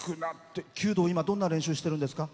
弓道、今どんな練習してるんですか？